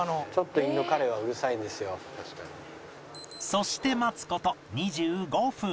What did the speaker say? そして待つ事２５分